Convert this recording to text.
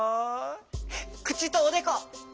くちとおでこ！